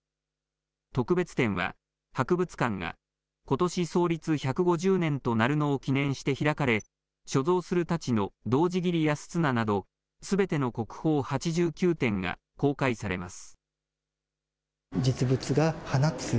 特別展は、博物館がことし創立１５０年となるのを記念して開かれ、所蔵する太刀の童子切安綱など、すべての国宝８９点が公開されます。